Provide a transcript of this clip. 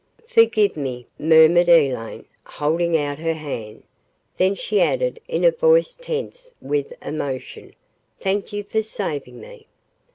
"Forgive me," murmured Elaine, holding out her hand. Then she added in a voice tense with emotion, "Thank you for saving me."